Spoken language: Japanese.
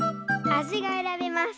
あじがえらべます。